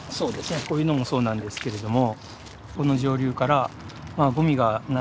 こういうのもそうなんですけれども。